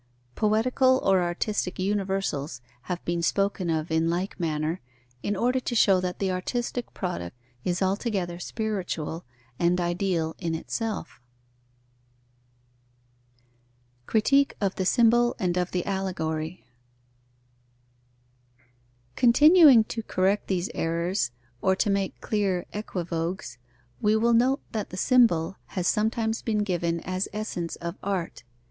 Poetical or artistic universals have been spoken of in like manner, in order to show that the artistic product is altogether spiritual and ideal in itself. Critique of the symbol and of the allegory. Continuing to correct these errors, or to make clear equivoques, we will note that the symbol has sometimes been given as essence of art.